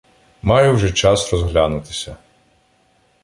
маю вже час розглянутися.